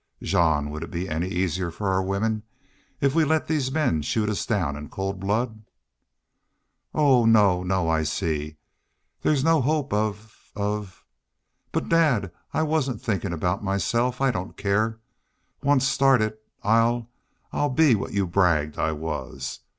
"Jean, would it be any easier for our women if we let these men shoot us down in cold blood?" "Oh no no, I see, there's no hope of of.... But, dad, I wasn't thinkin' about myself. I don't care. Once started I'll I'll be what you bragged I was.